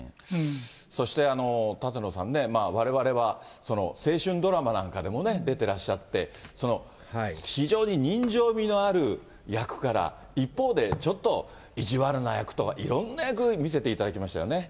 そして、舘野さんね、われわれは青春ドラマなんかでも出てらっしゃって、非常に人情味のある役柄、一方でちょっと意地悪な役とか、いろんな役を見せていただきましたよね。